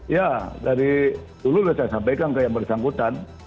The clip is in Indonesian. ya dari dulu sudah saya sampaikan ke yang bersangkutan